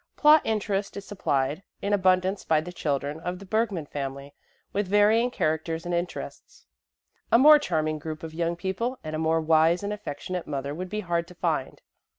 Plot interest is supplied in abundance by the children of the Bergmann family with varying characters and interests. A more charming group of young people and a more wise and affectionate mother would be hard to find.